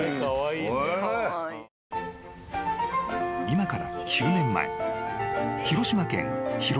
［今から９年前］